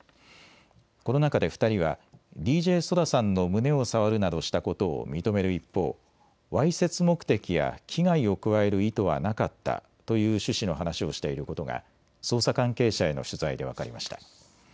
この中で２人はＤＪＳＯＤＡさんの胸を触るなどしたことを認める一方、わいせつ目的や危害を加える意図はなかったという趣旨の話をしていることが捜査関係者への取材で分かりました。